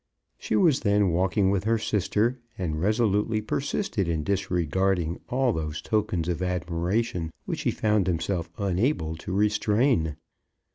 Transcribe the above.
She was then walking with her sister, and resolutely persisted in disregarding all those tokens of admiration which he found himself unable to restrain.